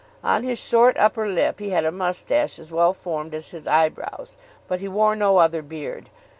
On his short upper lip he had a moustache as well formed as his eyebrows, but he wore no other beard.